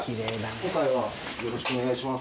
今回はよろしくお願いします